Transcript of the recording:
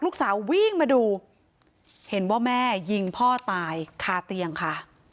ลูกสาววิ่งมาดูเห็นว่าแม่ยิงพ่อตายคาเตียงค่ะ